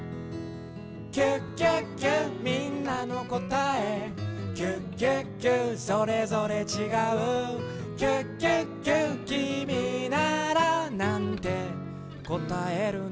「キュキュキュみんなのこたえ」「キュキュキュそれぞれちがう」「キュキュキュきみならなんてこたえるの？」